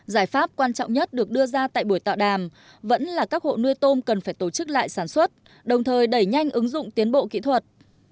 giải pháp quan trọng nhất được đưa ra tại buổi tọa đàm vẫn là các hộ nuôi tôm cần phải tổ chức lại sản xuất đồng thời đẩy nhanh ứng dụng tiến bộ kỹ thuật